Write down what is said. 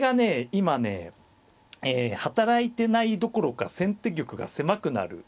今ね働いてないどころか先手玉が狭くなる。